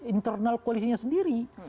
internal koalisinya sendiri